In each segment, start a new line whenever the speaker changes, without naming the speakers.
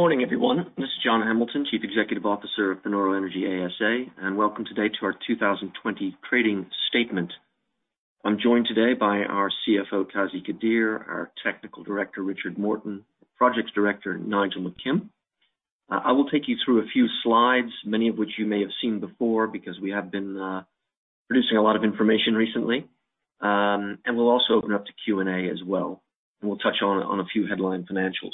Good morning, everyone. This is John Hamilton, Chief Executive Officer of Panoro Energy ASA, welcome today to our 2020 trading statement. I'm joined today by our CFO, Qazi Qadeer, our Technical Director, Richard Morton, Projects Director, Nigel McKim. I will take you through a few slides, many of which you may have seen before because we have been producing a lot of information recently. We'll also open up to Q&A as well, and we'll touch on a few headline financials.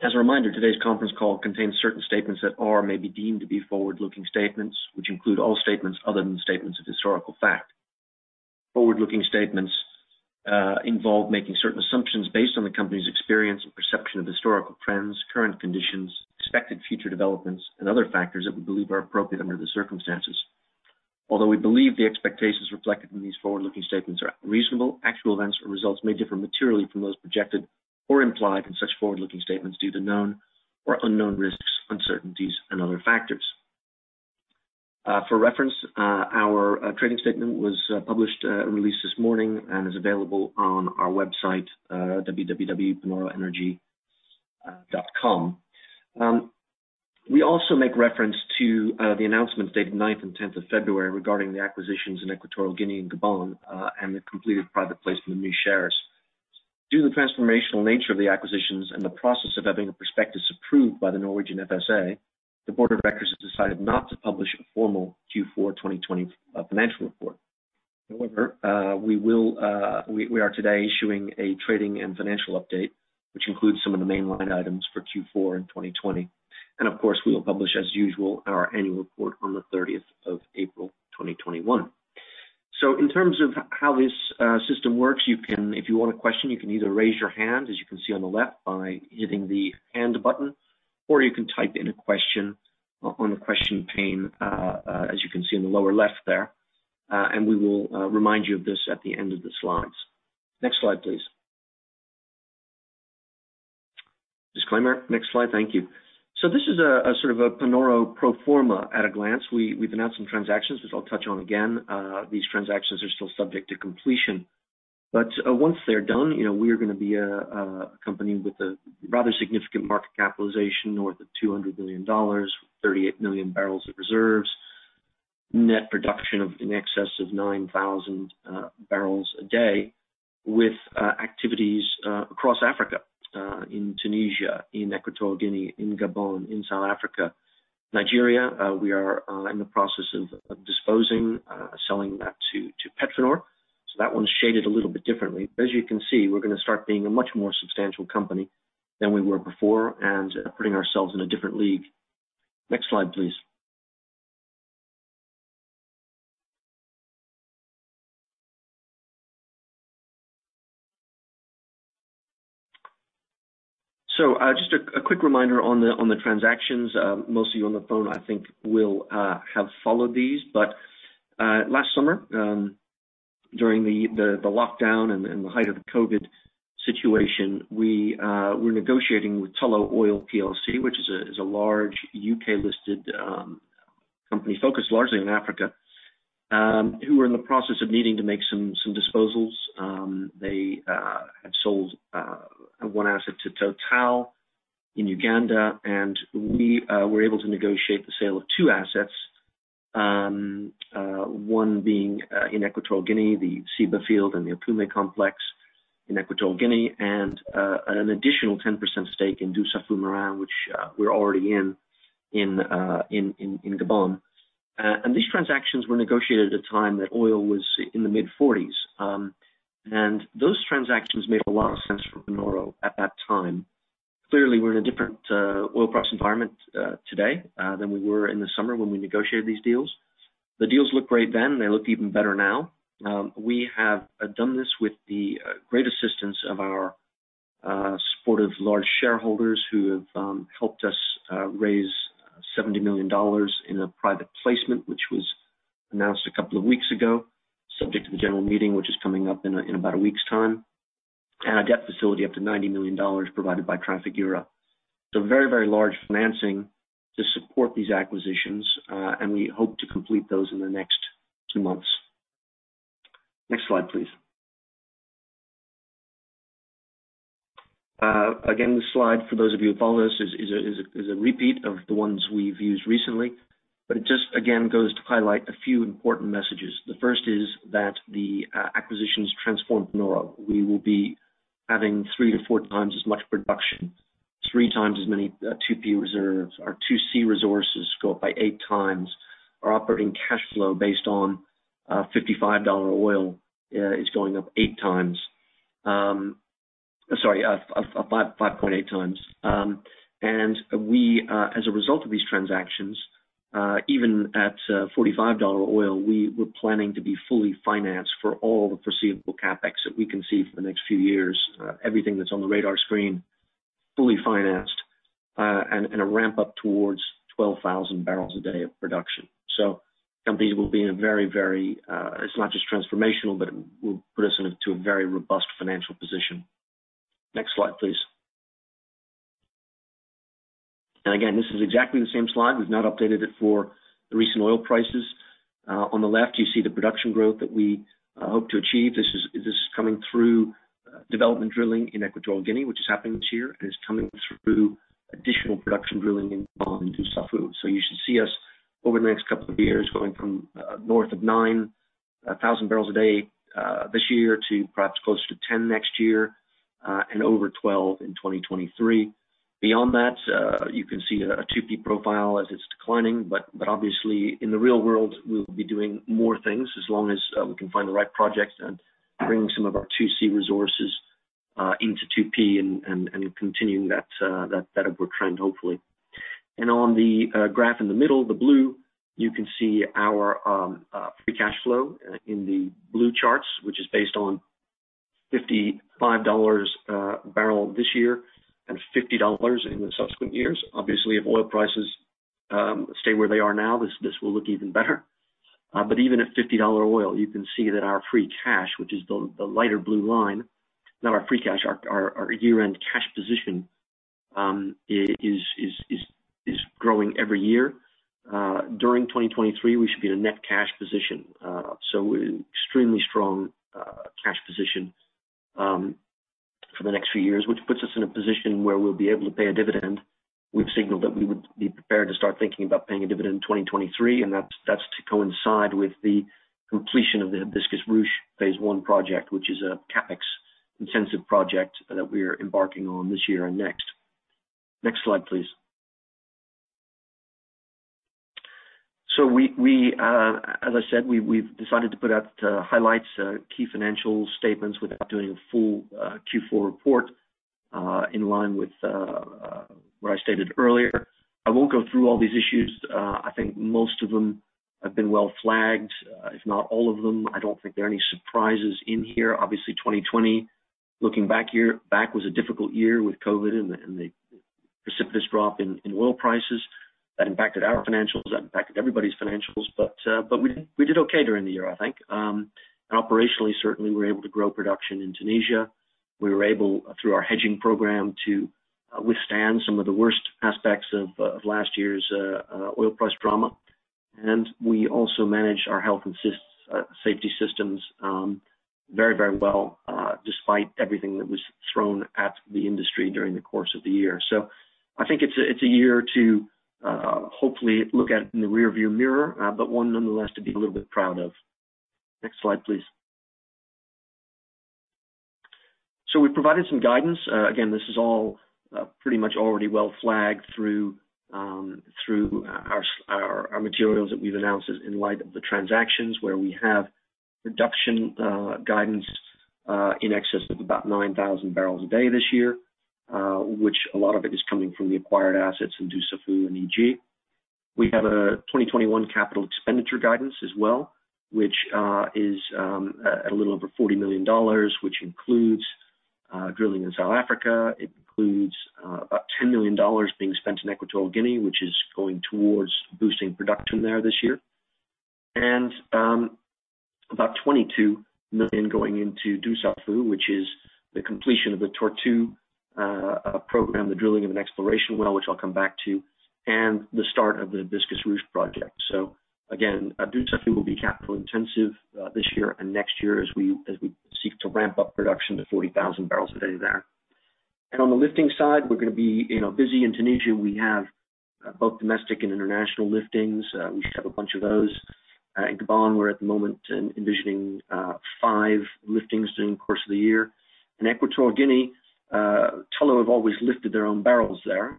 As a reminder, today's conference call contains certain statements that are or may be deemed to be forward-looking statements, which include all statements other than statements of historical fact. Forward-looking statements involve making certain assumptions based on the company's experience and perception of historical trends, current conditions, expected future developments, and other factors that we believe are appropriate under the circumstances. Although we believe the expectations reflected in these forward-looking statements are reasonable, actual events or results may differ materially from those projected or implied in such forward-looking statements due to known or unknown risks, uncertainties, and other factors. For reference, our trading statement was published and released this morning and is available on our website, www.panoroenergy.com. We also make reference to the announcements dated 9 February and 10 February regarding the acquisitions in Equatorial Guinea and Gabon and the completed private placement of new shares. Due to the transformational nature of the acquisitions and the process of having a prospectus approved by Finanstilsynet, the board of records has decided not to publish a formal Q4 2020 financial report. However, we are today issuing a trading and financial update, which includes some of the main line items for Q4 in 2020. Of course, we will publish as usual our annual report on the 30th April 2021. In terms of how this system works, if you want a question, you can either raise your hand, as you can see on the left, by hitting the hand button, or you can type in a question on the question pane, as you can see in the lower left there. We will remind you of this at the end of the slides. Next slide, please. Disclaimer. Next slide. Thank you. This is a sort of a Panoro pro forma at a glance. We've announced some transactions, which I'll touch on again. These transactions are still subject to completion. Once they're done, you know, we are gonna be a company with a rather significant market capitalization north of $200 million, 38 million barrels of reserves, net production of in excess of 9,000 barrels a day with activities across Africa, in Tunisia, in Equatorial Guinea, in Gabon, in South Africa. Nigeria, we are in the process of disposing, selling that to PetroNor. That one's shaded a little bit differently. As you can see, we're gonna start being a much more substantial company than we were before and putting ourselves in a different league. Next slide, please. Just a quick reminder on the transactions. Most of you on the phone I think will have followed these. Last summer, during the lockdown and the height of the COVID situation, we were negotiating with Tullow Oil plc, which is a large U.K.-listed company focused largely on Africa, who were in the process of needing to make some disposals. They had sold one asset to Total in Uganda, and we were able to negotiate the sale of two assets. One being in Equatorial Guinea, the Ceiba field and the Okume complex in Equatorial Guinea, and an additional 10% stake in Dussafu Marin, which we're already in Gabon. These transactions were negotiated at a time that oil was in the mid-$40s. Those transactions made a lot of sense for Panoro at that time. Clearly, we're in a different oil price environment today than we were in the summer when we negotiated these deals. The deals looked great then. They look even better now. with the great assistance of our supportive large shareholders who have helped us raise $70 million in a private placement, which was announced a couple of weeks ago, subject to the general meeting, which is coming up in about a week's time, and a debt facility up to $90 million provided by Trafigura. Very, very large financing to support these acquisitions, and we hope to complete those in the next two months. Next slide, please. Again, this slide, for those of you who follow this, is a repeat of the ones we've used recently, but it just again goes to highlight a few important messages. The first is that the acquisitions transform Panoro We will be having 3x-4x as much production, 3x as many 2P reserves. Our 2C resources go up by 8x. Our operating cash flow based on $55 oil is going up 8x. Sorry, 5.8x. As a result of these transactions, even at $45 oil, we were planning to be fully financed for all the foreseeable CapEx that we can see for the next few years. Everything that's on the radar screen, fully financed, and a ramp up towards 12,000 barrels a day of production. It's not just transformational, but it will put us in a very robust financial position. Next slide, please. Again, this is exactly the same slide. We've not updated it for the recent oil prices. On the left, you see the production growth that we hope to achieve. This is coming through development drilling in Equatorial Guinea, which is happening this year, and is coming through additional production drilling in Gabon, in Dussafu. You should see us over the next couple of years going from north of 9,000 barrels a day this year to perhaps closer to 10,000 next year, and over 12,000 in 2023. Beyond that, you can see a 2P profile as it's declining, but obviously in the real world, we'll be doing more things as long as we can find the right projects and bring some of our 2C resources into 2P and continuing that upward trend, hopefully. On the graph in the middle, the blue, you can see our free cash flow in the blue charts, which is based on $55 a barrel this year and $50 in the subsequent years. Obviously, if oil prices stay where they are now, this will look even better. Even at $50 oil, you can see that our free cash, which is the lighter blue line, not our free cash, our year-end cash position, is growing every year. During 2023, we should be in a net cash position, so extremely strong cash position for the next few years, which puts us in a position where we'll be able to pay a dividend. We've signaled that we would be prepared to start thinking about paying a dividend in 2023, that's to coincide with the completion of the Hibiscus Ruche Phase I project, which is a CapEx-intensive project that we are embarking on this year and next. Next slide, please. We, as I said, we've decided to put out highlights, key financial statements without doing a full Q4 report in line with what I stated earlier. I won't go through all these issues. I think most of them have been well flagged, if not all of them. I don't think there are any surprises in here. Obviously, 2020, looking back here, back was a difficult year with COVID and the precipitous drop in oil prices. That impacted our financials. That impacted everybody's financials. We did okay during the year, I think. Operationally, certainly we were able to grow production in Tunisia. We were able, through our hedging program, to withstand some of the worst aspects of last year's oil price drama. We also managed our health and safety systems very well, despite everything that was thrown at the industry during the course of the year. I think it's a year to hopefully look at in the rearview mirror, but one nonetheless to be a little bit proud of. Next slide, please. We provided some guidance. Again, this is all pretty much already well flagged through our materials that we've announced as in light of the transactions where we have production guidance in excess of 9,000 barrels a day this year, which a lot of it is coming from the acquired assets in Dussafu and EG. We have a 2021 capital expenditure guidance as well, which is at a little over $40 million, which includes drilling in South Africa. It includes about $10 million being spent in Equatorial Guinea, which is going towards boosting production there this year. About $22 million going into Dussafu, which is the completion of the Tortue program, the drilling of an exploration well, which I'll come back to, and the start of the Hibiscus Ruche project. Again, Dussafu will be capital intensive this year and next year as we seek to ramp up production to 40,000 barrels a day there. On the lifting side, we're gonna be, you know, busy in Tunisia. We have both domestic and international liftings. We should have a bunch of those. In Gabon, we're at the moment envisioning five liftings during the course of the year. In Equatorial Guinea, Tullow have always lifted their own barrels there,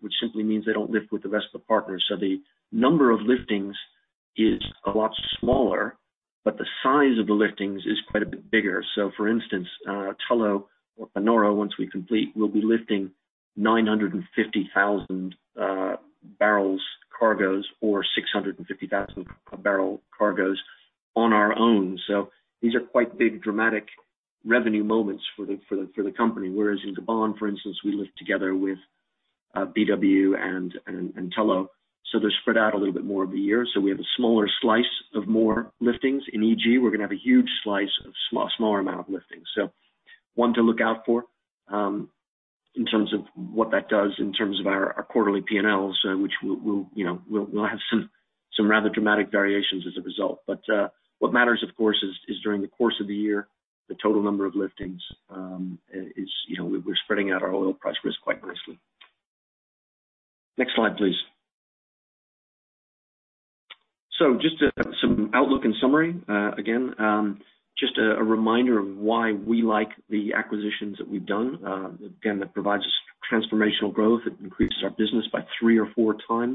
which simply means they don't lift with the rest of the partners. The number of liftings is a lot smaller, but the size of the liftings is quite a bit bigger. For instance, Tullow or Panoro, once we complete, will be lifting 950,000 barrels cargoes or 650,000 barrel cargoes on our own. These are quite big, dramatic revenue moments for the company. Whereas in Gabon, for instance, we lift together with BW and Tullow. They're spread out a little bit more of the year. We have a smaller slice of more liftings. In EG, we're gonna have a huge slice of smaller amount of lifting. One to look out for, in terms of what that does in terms of our quarterly P&Ls, which we'll, you know, we'll have some rather dramatic variations as a result. what matters, of course, is during the course of the year, the total number of liftings is, you know, we're spreading out our oil price risk quite nicely. Next slide, please. just some outlook and summary. again, just a reminder of why we like the acquisitions that we've done. again, that provides us transformational growth. It increases our business by 3x or 4x,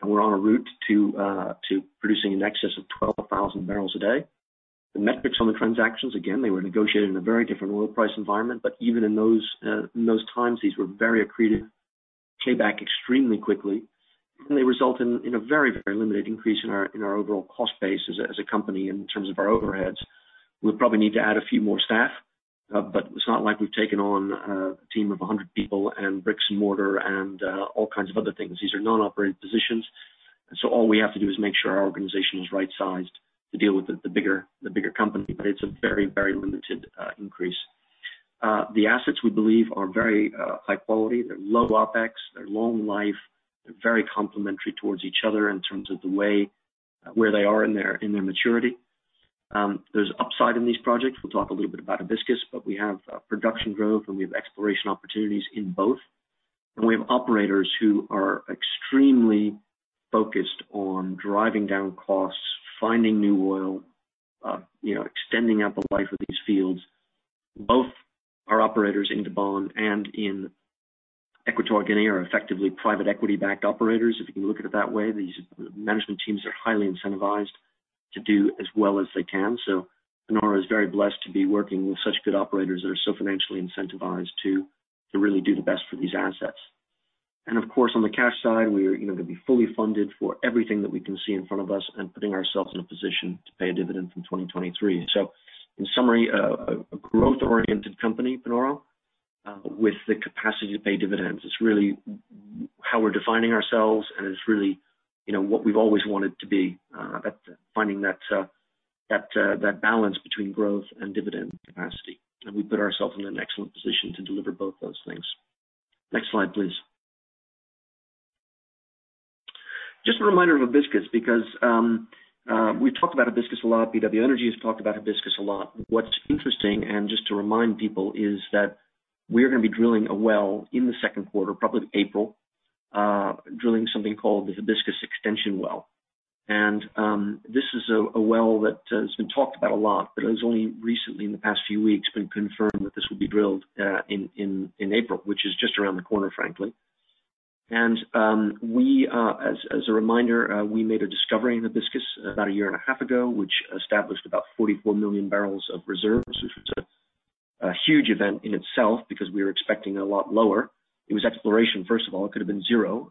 and we're on a route to producing in excess of 12,000 barrels a day. The metrics on the transactions, again, they were negotiated in a very different oil price environment, but even in those, in those times, these were very accretive, pay back extremely quickly, and they result in a very, very limited increase in our overall cost base as a company in terms of our overheads. We'll probably need to add a few more staff, but it's not like we've taken on a team of 100 people and bricks and mortar and all kinds of other things. These are non-operating positions, so all we have to do is make sure our organization is right-sized to deal with the bigger company, but it's a very, very limited increase. The assets we believe are very high quality. They're low OPEX, they're long life, they're very complementary towards each other in terms of the way where they are in their maturity. There's upside in these projects. We'll talk a little bit about Hibiscus, but we have production growth and we have exploration opportunities in both. We have operators who are extremely focused on driving down costs, finding new oil, you know, extending out the life of these fields. Both our operators in Gabon and in Equatorial Guinea are effectively private equity backed operators, if you can look at it that way. These management teams are highly incentivized to do as well as they can. Panoro is very blessed to be working with such good operators that are so financially incentivized to really do the best for these assets. Of course, on the cash side, we are, you know, gonna be fully funded for everything that we can see in front of us and putting ourselves in a position to pay a dividend from 2023. In summary, a growth-oriented company, Panoro, with the capacity to pay dividends. It's really how we're defining ourselves, and it's really, you know, what we've always wanted to be at finding that balance between growth and dividend capacity. We put ourselves in an excellent position to deliver both those things. Next slide, please. A reminder of Hibiscus because, we've talked about Hibiscus a lot. BW Energy has talked about Hibiscus a lot. What's interesting, just to remind people, is that we're gonna be drilling a well in the Q2, probably April, drilling something called the Hibiscus Extension well. This is a well that has been talked about a lot, but it was only recently in the past few weeks been confirmed that this will be drilled in April, which is just around the corner, frankly. We, as a reminder, we made a discovery in Hibiscus about a year and a half ago, which established about 44 million barrels of reserves, which was a huge event in itself because we were expecting a lot lower. It was exploration, first of all, it could have been zero.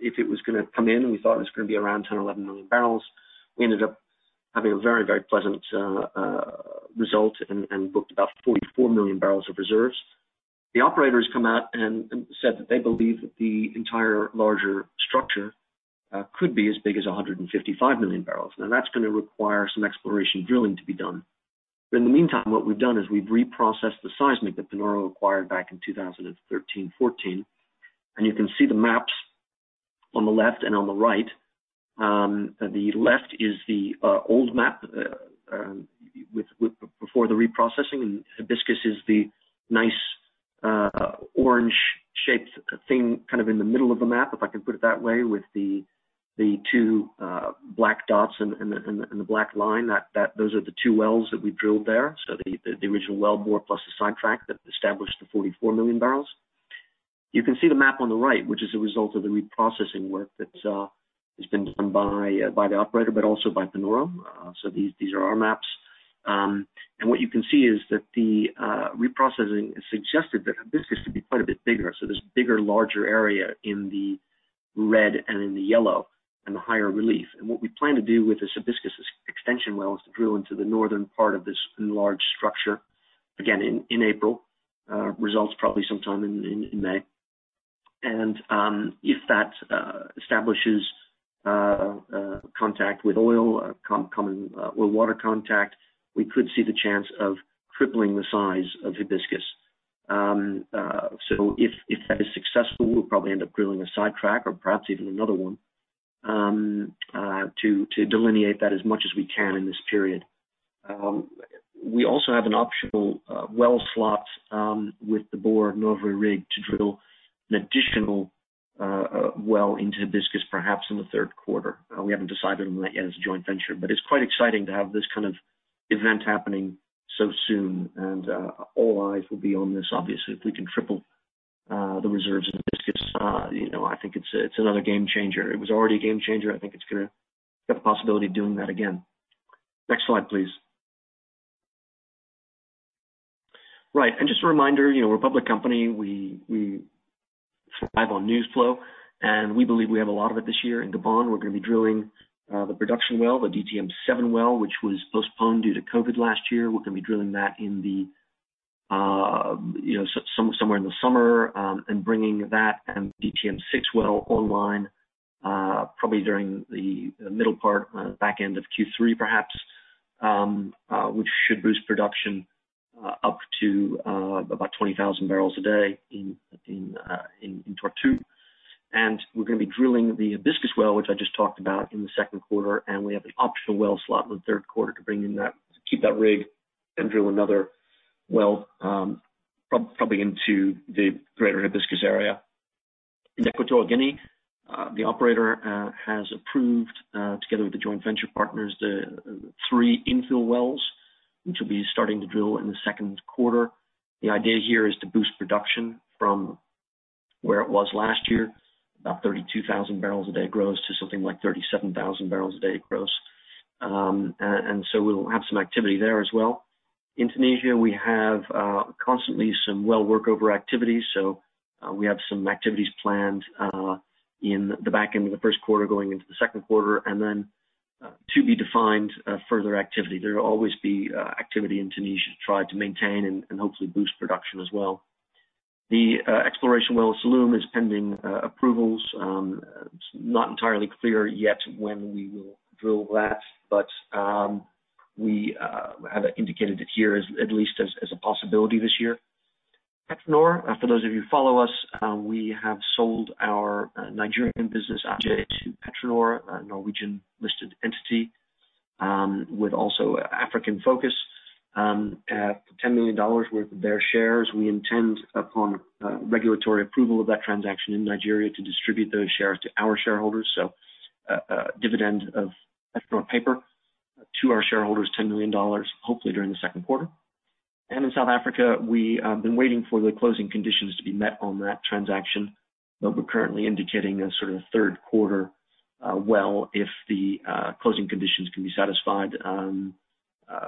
If it was gonna come in, we thought it was gonna be around 10 million or 11 million barrels. We ended up having a very pleasant result and booked about 44 million barrels of reserves. The operators come out and said that they believe that the entire larger structure could be as big as 155 million barrels. That's gonna require some exploration drilling to be done. In the meantime, what we've done is we've reprocessed the seismic that Panoro acquired back in 2013, 2014, and you can see the maps on the left and on the right. The left is the old map with before the reprocessing. Hibiscus is the nice orange shaped thing kind of in the middle of the map, if I can put it that way, with the two black dots and the black line, that those are the two wells that we drilled there. The original well bore plus the sidetrack that established the 44 million barrels. You can see the map on the right, which is a result of the reprocessing work that has been done by by the operator, but also by Panoro. These are our maps. What you can see is that the reprocessing has suggested that Hibiscus could be quite a bit bigger. There's bigger, larger area in the red and in the yellow and the higher relief. What we plan to do with the Hibiscus Extension well is to drill into the northern part of this enlarged structure, again, in April, results probably sometime in May. If that establishes contact with oil, coming or water contact, we could see the chance of crippling the size of Hibiscus. If that is successful, we'll probably end up drilling a sidetrack or perhaps even another one to delineate that as much as we can in this period. We also have an optional well slot with the Borr Norve rig to drill an additional well into Hibiscus perhaps in the Q3. We haven't decided on that yet as a joint venture, but it's quite exciting to have this kind of event happening so soon. All eyes will be on this obviously, if we can triple the reserves of Hibiscus, you know, I think it's another game changer. It was already a game changer. I think it's gonna have the possibility of doing that again. Next slide, please. Right. Just a reminder, you know, we're a public company. We thrive on news flow, and we believe we have a lot of it this year. In Gabon, we're gonna be drilling the production well, the DTM-7H well, which was postponed due to COVID last year. We're gonna be drilling that in the, you know, somewhere in the summer, bringing that and DTM-6H well online, probably during the middle part, back end of Q3 perhaps, which should boost production up to about 20,000 barrels a day in Tortue. We're gonna be drilling the Hibiscus well, which I just talked about in the Q2, and we have the optional well slot in the Q3 to bring in that, to keep that rig and drill another well, probably into the greater Hibiscus area. In Equatorial Guinea, the operator has approved, together with the joint venture partners, the three infill wells, which will be starting to drill in the Q2. The idea here is to boost production from where it was last year, about 32,000 barrels a day gross, to something like 37,000 barrels a day gross. We'll have some activity there as well. In Tunisia, we have constantly some well workover activities. We have some activities planned in the back end of the first quarter going into the Q2, and then to be defined further activity. There will always be activity in Tunisia to try to maintain and hopefully boost production as well. The exploration well Salloum is pending approvals. It's not entirely clear yet when we will drill that, but we have indicated it here as at least as a possibility this year. PetroNor, for those of you who follow us, we have sold our Nigerian business, Aje to PetroNor, a Norwegian-listed entity, with also African focus, at $10 million worth of their shares. We intend upon regulatory approval of that transaction in Nigeria to distribute those shares to our shareholders. A dividend of PetroNor paper to our shareholders, $10 million, hopefully during the Q2. In South Africa, we have been waiting for the closing conditions to be met on that transaction, but we're currently indicating a sort of Q3, well, if the closing conditions can be satisfied.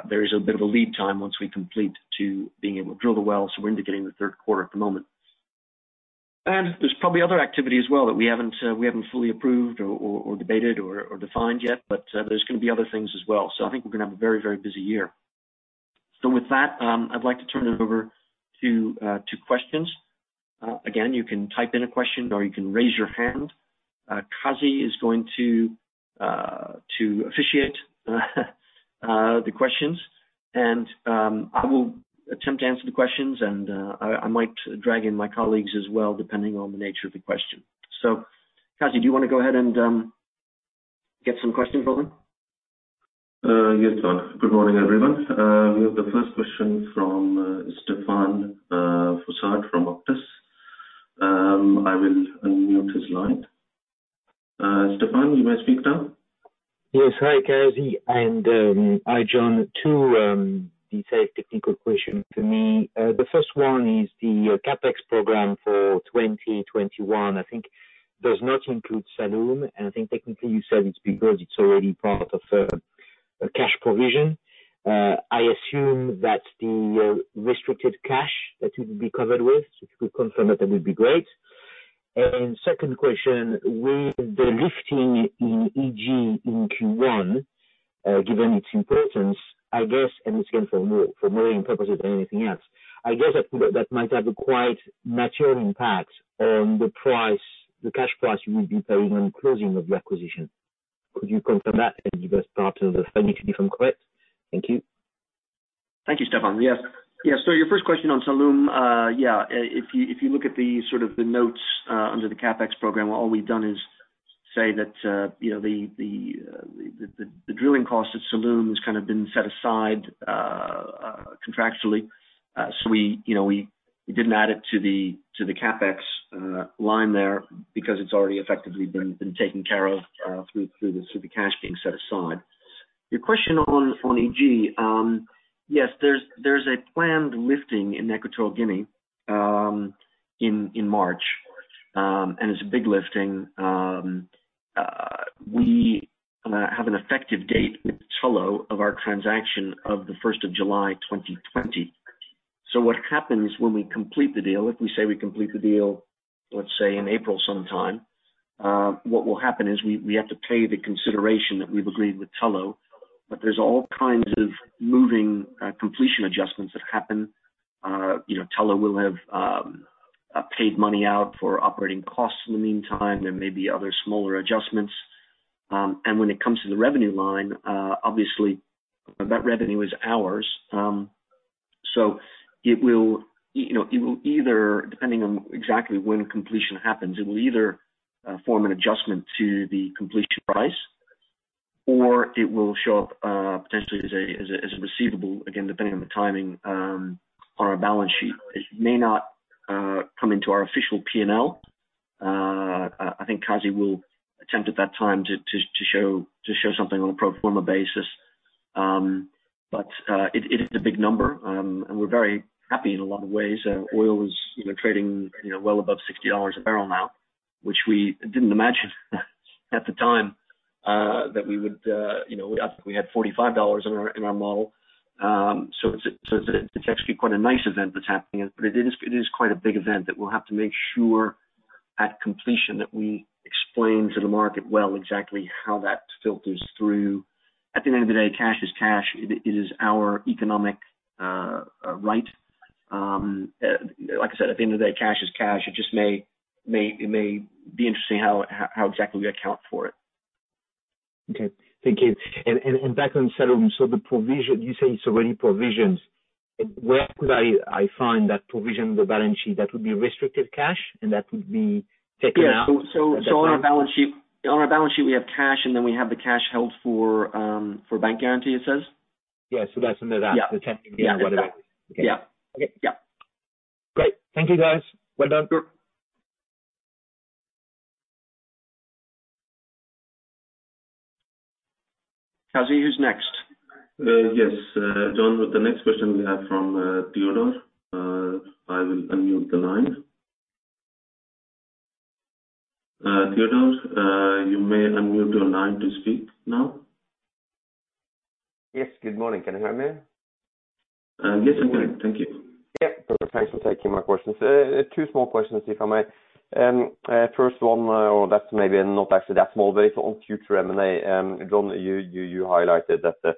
There is a bit of a lead time once we complete to being able to drill the well, so we're indicating the Q3 at the moment. There's probably other activity as well that we haven't, we haven't fully approved or, or debated or defined yet, but there's gonna be other things as well. I think we're gonna have a very, very busy year. With that, I'd like to turn it over to questions. Again, you can type in a question or you can raise your hand. Qazi is going to officiate the questions. I will attempt to answer the questions and I might drag in my colleagues as well, depending on the nature of the question. Qazi, do you wanna go ahead and get some questions rolling?
Yes, John. Good morning, everyone. We have the first question from Stephane Fossard from Auctus. I will unmute his line. Stephane, you may speak now.
Yes. Hi, Qazi. Hi, John. Two the same technical question for me. The first one is the CapEx program for 2021, I think does not include Salloum, and I think technically you said it's because it's already part of a cash provision. I assume that the restricted cash that it will be covered with, if you could confirm that would be great. Second question, with the lifting in EG in Q1, given its importance, I guess, and it's again for more purposes than anything else, I guess that might have a quite material impact on the price, the cash price you will be paying on closing of the acquisition. Could you confirm that? You guys started to define it, if I'm correct. Thank you.
Thank you, Stephane. Yes. Your first question on Salloum. If you look at the sort of the notes under the CapEx program, all we've done is say that the drilling cost at Salloum has kind of been set aside contractually. We didn't add it to the CapEx line there because it's already effectively been taken care of through the cash being set aside. Your question on EG, yes, there's a planned lifting in Equatorial Guinea in March. It's a big lifting. We have an effective date with Tullow of our transaction of the 1 July, 2020. What happens when we complete the deal, if we say we complete the deal, let's say in April sometime, what will happen is we have to pay the consideration that we've agreed with Tullow, but there's all kinds of moving, completion adjustments that happen. You know, Tullow will have paid money out for operating costs in the meantime. There may be other smaller adjustments. And when it comes to the revenue line, obviously that revenue is ours. So it will, you know, it will either, depending on exactly when completion happens, it will either, form an adjustment to the completion price, or it will show up, potentially as a receivable, again, depending on the timing, on our balance sheet. It may not come into our official P&L. I think Qazi will attempt at that time to show something on a pro forma basis. It is a big number, and we're very happy in a lot of ways. Oil is, you know, trading, you know, well above $60 a barrel now, which we didn't imagine at the time that we would, you know, I think we had $45 in our model. It's actually quite a nice event that's happening, but it is quite a big event that we'll have to make sure at completion that we explain to the market well exactly how that filters through. At the end of the day, cash is cash. It is our economic right. like I said, at the end of the day, cash is cash. It just may be interesting how exactly we account for it.
Okay. Thank you. Back on Salloum, the provision, you say it's already provisions. Where could I find that provision on the balance sheet? That would be restricted cash, and that would be taken out at that time?
Yeah. On our balance sheet, we have cash, and then we have the cash held for bank guarantee it says.
Yeah. That's under that.
Yeah.
The $10 million, whatever.
Yeah, exactly.
Okay.
Yeah.
Okay.
Yeah.
Great. Thank you, guys. Well done.
Sure. Qazi, who's next?
Yes. John, the next question we have from Teodor. I will unmute the line. Teodor, you may unmute your line to speak now.
Yes. Good morning. Can you hear me?
Yes, I can. Thank you.
Yeah. Perfect. Thanks for taking my questions. Two small questions, if I may. First one, or that's maybe not actually that small, but it's on future M&A. John, you highlighted that the...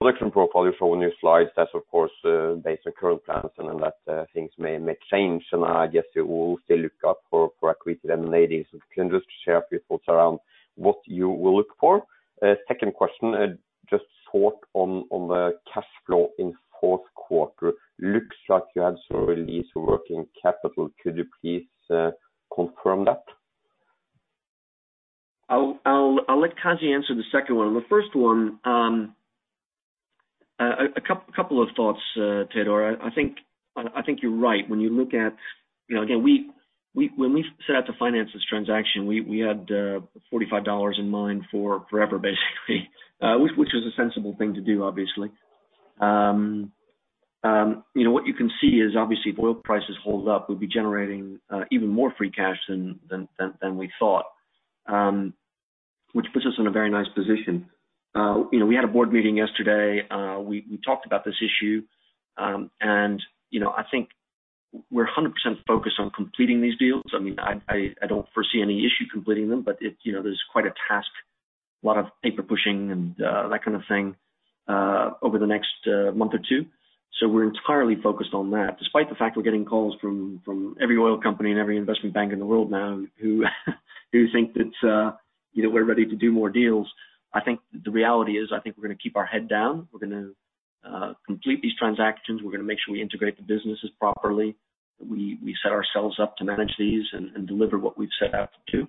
Production profile you show on your slides, that's of course, based on current plans and then that, things may change. I guess you will still look out for equity in ladies. If you can just share a few thoughts around what you will look for. Second question, just thought on the cash flow in Q4. Looks like you have some release working capital. Could you please confirm that?
I'll let Qazi answer the second one. The first one, couple of thoughts, Teodor. I think you're right. When you look at. You know, again, when we set out to finance this transaction, we had $45 in mind for forever, basically, which was a sensible thing to do, obviously. You know, what you can see is obviously if oil prices hold up, we'll be generating even more free cash than we thought, which puts us in a very nice position. You know, we had a board meeting yesterday. We talked about this issue. You know, I think we're 100% focused on completing these deals. I mean, I don't foresee any issue completing them, but you know, there's quite a task, a lot of paper pushing and that kind of thing over the next month or two months. We're entirely focused on that. Despite the fact we're getting calls from every oil company and every investment bank in the world now, who think that, you know, we're ready to do more deals. I think the reality is, I think we're gonna keep our head down. We're gonna complete these transactions. We're gonna make sure we integrate the businesses properly. We set ourselves up to manage these and deliver what we've set out to do.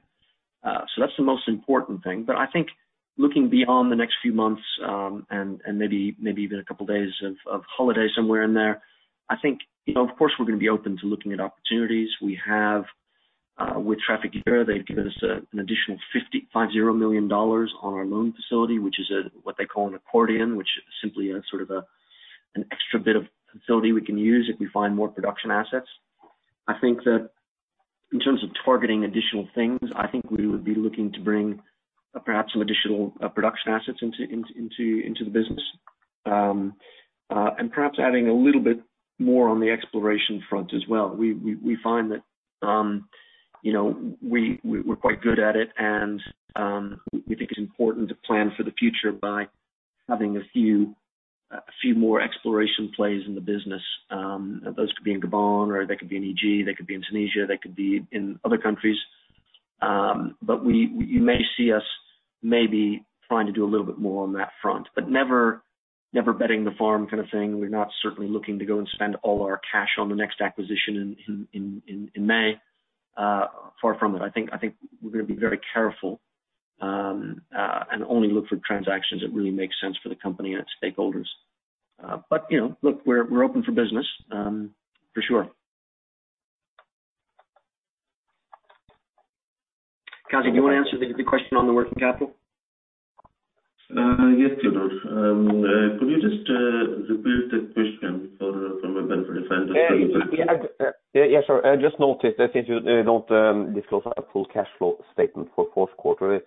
That's the most important thing. I think looking beyond the next few months, and maybe even a couple of days of holiday somewhere in there, I think, you know, of course, we're gonna be open to looking at opportunities. We have with Trafigura, they've given us an additional $550 million on our loan facility, which is what they call an accordion, which is simply a sort of an extra bit of facility we can use if we find more production assets. I think that in terms of targeting additional things, I think we would be looking to bring perhaps some additional production assets into the business. Perhaps adding a little bit more on the exploration front as well. We find that, you know, we're quite good at it and we think it's important to plan for the future by having a few more exploration plays in the business. Those could be in Gabon or they could be in EG, they could be in Tunisia, they could be in other countries. You may see us maybe trying to do a little bit more on that front, but never betting the farm kind of thing. We're not certainly looking to go and spend all our cash on the next acquisition in May. Far from it. I think we're gonna be very careful and only look for transactions that really make sense for the company and its stakeholders. You know, look, we're open for business, for sure. Qazi, do you wanna answer the question on the working capital?
Yes, Teodor. Could you just repeat the question for, from a benefit if I understand it correctly?
Yeah. Yeah, sure. I just noticed that since you don't disclose a full cash flow statement for Q4,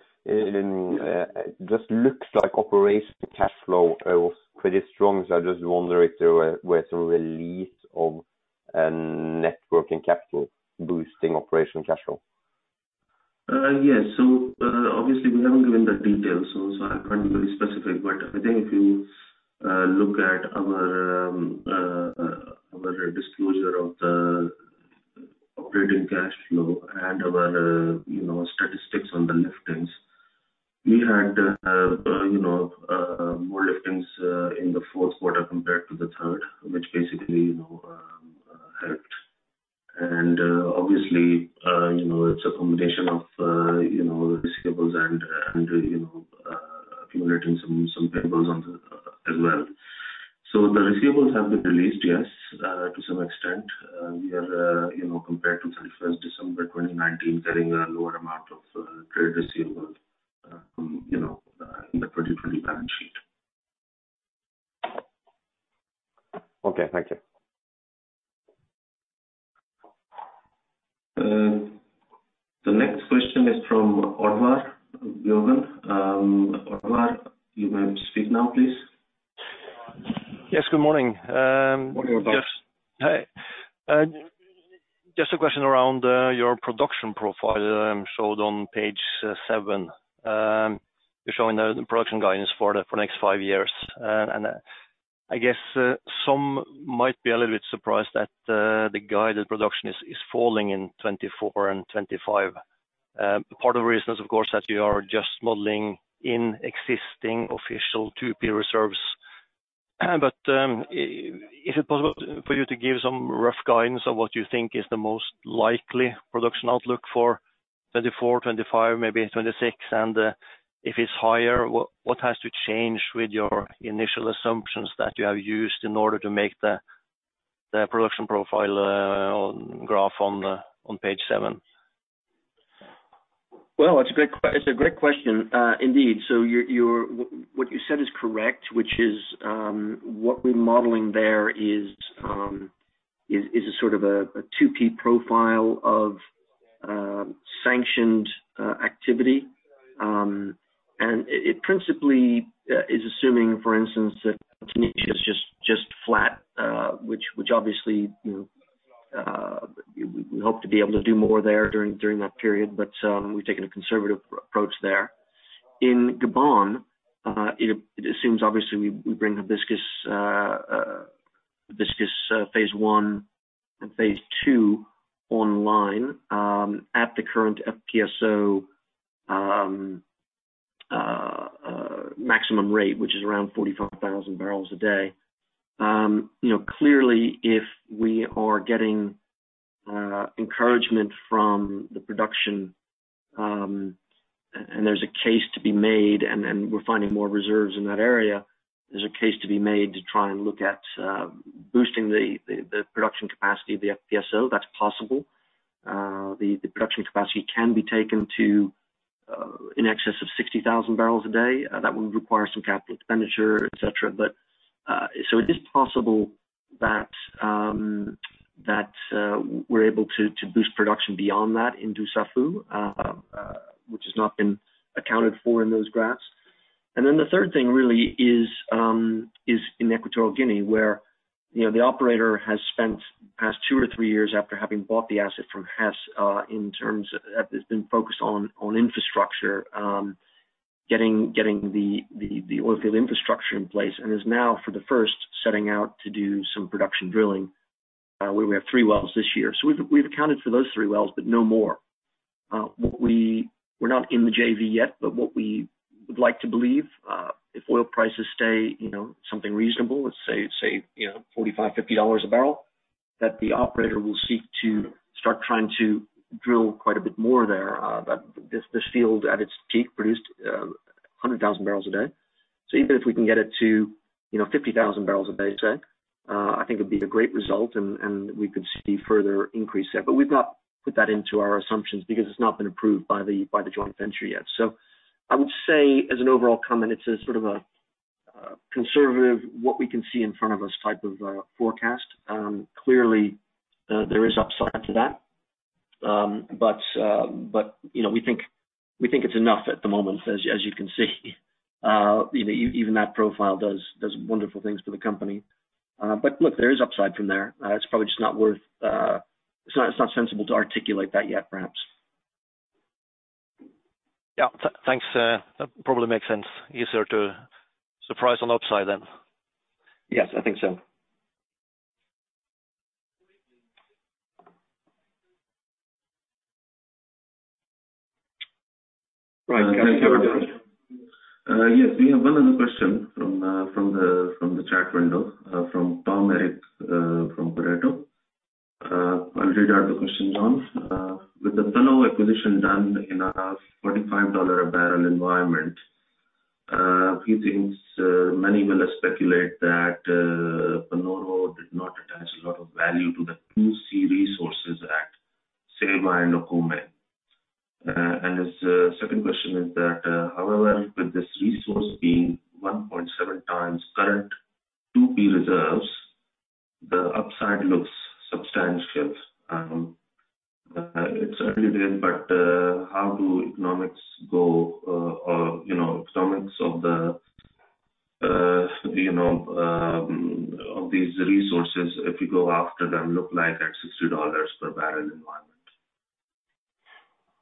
just looks like operation cash flow was pretty strong. I just wonder if there were some release of net working capital boosting operation cash flow.
Yes. Obviously we haven't given the details, so I can't be specific. But I think if you look at our disclosure of the operating cash flow and our, you know, statistics on the liftings, we had, you know, more liftings in the Q4 compared to the third, which basically, you know, helped. Obviously, you know, it's a combination of, you know, the receivables and, you know, accumulating some payables as well. The receivables have been released, yes, to some extent. We are, you know, compared to 31 December 2019, carrying a lower amount of trade receivable from, you know, in the 2020 balance sheet.
Okay, thank you.
The next question is from Ørjan Gjerde. Ørjan, you may speak now, please.
Yes, good morning.
Good morning, Ørjan.
Yes. Hey. Just a question around your production profile, showed on page seven. You're showing the production guidance for the, for the next five years. And I guess some might be a little bit surprised that the guided production is falling in 2024 and 2025. Part of the reason is, of course, that you are just modeling in existing official 2P reserves. But is it possible for you to give some rough guidance on what you think is the most likely production outlook for 2024, 2025, maybe 2026? And if it's higher, what has to change with your initial assumptions that you have used in order to make the production profile on graph on page seven?
Well, it's a great question, indeed. What you said is correct, which is, what we're modeling there is a sort of a 2P profile of sanctioned activity. It principally is assuming, for instance, that Tunisia is just flat, which obviously, you know, we hope to be able to do more there during that period, but we've taken a conservative approach there. In Gabon, it assumes obviously we bring Hibiscus phase I and phase II online at the current FPSO maximum rate, which is around 45,000 barrels a day. You know, clearly if we are getting encouragement from the production, and there's a case to be made and we're finding more reserves in that area, there's a case to be made to try and look at boosting the production capacity of the FPSO. That's possible. The production capacity can be taken to in excess of 60,000 barrels a day. That would require some capital expenditure, et cetera. It is possible that we're able to boost production beyond that in Dussafu, which has not been accounted for in those graphs. The third thing really is in Equatorial Guinea, where, you know, the operator has spent the past two years or three years after having bought the asset from Hess, has been focused on infrastructure, getting the oil field infrastructure in place and is now for the first setting out to do some production drilling, where we have three wells this year. We've accounted for those three wells, but no more. We're not in the JV yet. What we would like to believe, if oil prices stay, you know, something reasonable, let's say, you know, $45-$50 a barrel, that the operator will seek to start trying to drill quite a bit more there. This field at its peak produced 100,000 barrels a day. Even if we can get it to, you know, 50,000 barrels a day, say, I think it'd be a great result and we could see further increase there. We've not put that into our assumptions because it's not been approved by the joint venture yet. I would say as an overall comment, it's a sort of a conservative, what we can see in front of us type of forecast. Clearly, there is upside to that. You know, we think it's enough at the moment. As you can see, you know, even that profile does wonderful things for the company. Look, there is upside from there. It's probably just not worth, it's not sensible to articulate that yet, perhaps.
Yeah. Thanks. That probably makes sense. Easier to surprise on upside then.
Yes, I think so.
Right.
Yes, we have one other question from the chat window, from Tom Erik, from Pareto Securities. I'll read out the question, John. With the fellow acquisition done in a $45 a barrel environment, he thinks many will speculate that Panoro did not attach a lot of value to the 2C resources at Ceiba and Okume. His second question is that, however, with this resource being 1.7x current 2P reserves, the upside looks substantial. It certainly did, but how do economics go? You know, economics of the, you know, of these resources, if you go after them, look like at $60 per barrel environment?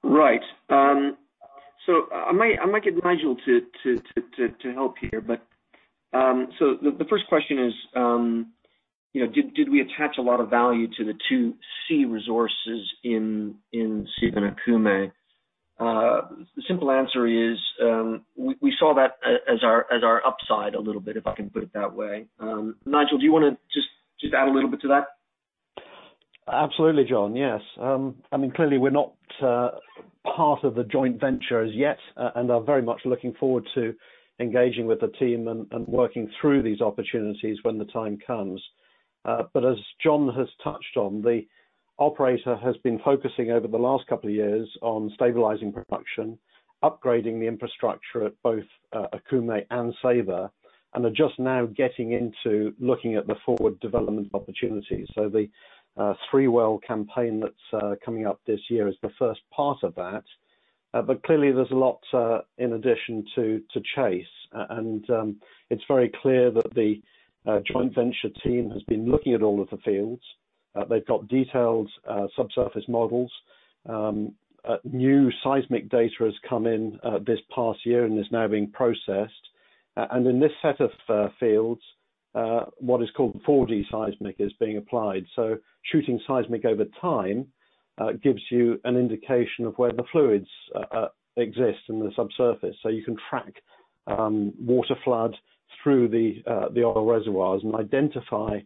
Right. I might get Nigel to help here. The first question is, you know, did we attach a lot of value to the 2C resources in Ceiba and Okume? The simple answer is, we saw that as our upside a little bit, if I can put it that way. Nigel, do you wanna just add a little bit to that?
Absolutely, John. Yes. I mean, clearly we're not part of the joint venture as yet, and are very much looking forward to engaging with the team and working through these opportunities when the time comes. As John has touched on, the operator has been focusing over the last couple of years on stabilizing production, upgrading the infrastructure at both Okume and Ceiba, and are just now getting into looking at the forward development opportunities. The three-well campaign that's coming up this year is the first part of that. Clearly there's a lot in addition to chase. It's very clear that the joint venture team has been looking at all of the fields. They've got detailed subsurface models. New seismic data has come in this past year and is now being processed. In this set of fields, what is called 4D seismic is being applied. Shooting seismic over time gives you an indication of where the fluids exist in the subsurface, so you can track water flood through the oil reservoirs and identify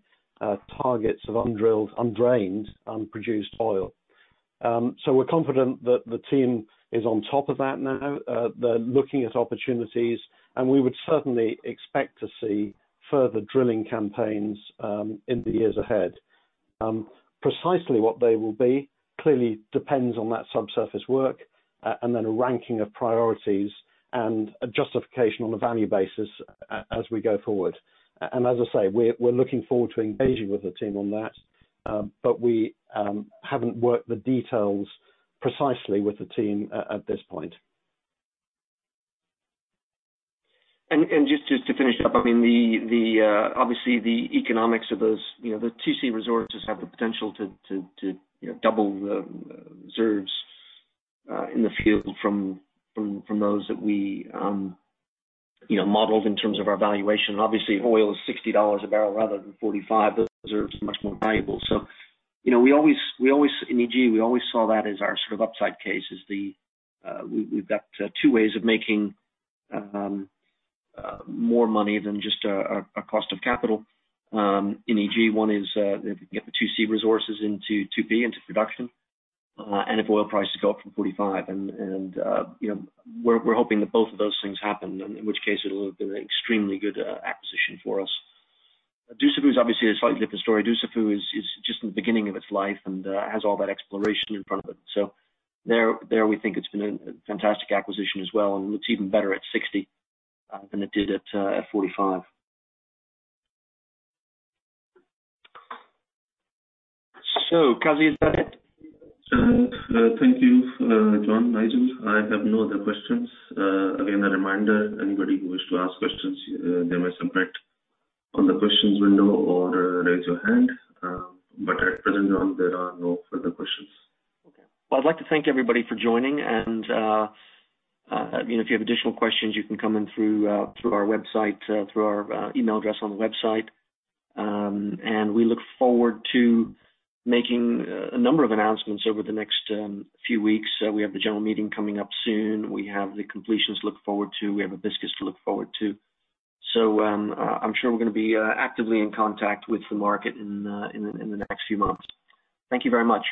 targets of undrilled, undrained, unproduced oil. We're confident that the team is on top of that now. They're looking at opportunities, and we would certainly expect to see further drilling campaigns in the years ahead. Precisely what they will be clearly depends on that subsurface work, and then a ranking of priorities and a justification on a value basis as we go forward. As I say, we're looking forward to engaging with the team on that, but we haven't worked the details precisely with the team at this point.
Just to finish up, I mean, the obviously the economics of those, you know, the 2C resources have the potential to, you know, double the reserves in the field from those that we, you know, modeled in terms of our valuation. Obviously, oil is $60 a barrel rather than $45. Those reserves are much more valuable. You know, we always In EG, we always saw that as our sort of upside case, is the we've got two ways of making more money than just a cost of capital in EG. One is, if you get the 2C resources into 2P, into production, and if oil prices go up from $45. You know, we're hoping that both of those things happen, in which case it'll have been an extremely good acquisition for us. Dussafu is obviously a slightly different story. Dussafu is just in the beginning of its life and has all that exploration in front of it. We think it's been a fantastic acquisition as well, and looks even better at $60 than it did at $45. Qazi, is that it?
Thank you, John, Nigel. I have no other questions. Again, a reminder, anybody who wish to ask questions, they may submit on the questions window or raise your hand. At present, John, there are no further questions.
Okay. Well, I'd like to thank everybody for joining. You know, if you have additional questions, you can come in through our website, through our email address on the website. We look forward to making a number of announcements over the next few weeks. We have the general meeting coming up soon. We have the completions to look forward to. We have Hibiscus to look forward to. I'm sure we're gonna be actively in contact with the market in the next few months. Thank you very much.